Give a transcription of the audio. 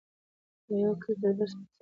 له یوه کلي تر بل به ساعتونه